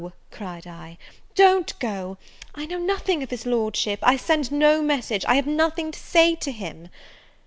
cried I; "don't go, I know nothing of his Lordship, I send no message, I have nothing to say to him!"